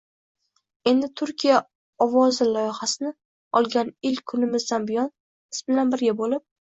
endi Turkiya ovozi loyihasini olgan ilk kunimizdan buyon biz bilan birga bo‘lib